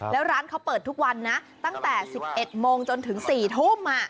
แล้วร้านเขาเปิดทุกวันนะตั้งแต่๑๑โมงจนถึง๔ทุ่ม